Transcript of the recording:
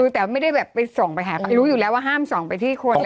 แต่ไม่ได้แบบไปส่องไปหาใครรู้อยู่แล้วว่าห้ามส่องไปที่คน